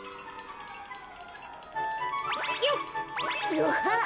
よっ。